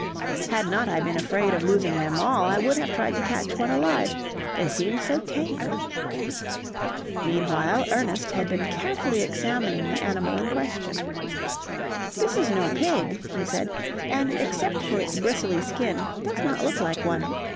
Had not I been afraid of losing them all, I would have tried to catch one alive, they seemed so tame." Meanwhile Ernest had been carefully examining the animal in question. "This is no pig," he said; "and except for its bristly skin, does not look like one.